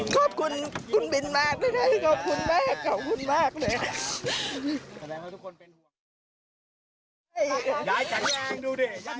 ขอบคุณคุณบิ่นมากขอบคุณแม่เขาคุณมาก